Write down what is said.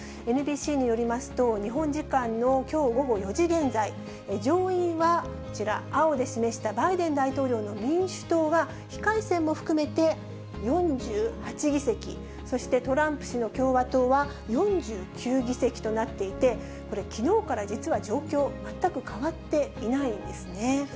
ＮＢＣによりますと、日本時間のきょう午後４時現在、上院はこちら、青で示したバイデン大統領の民主党が非改選も含めて４８議席、そしてトランプ氏の共和党は４９議席となっていて、これ、きのうから実は状況、全く変わっていないんですね。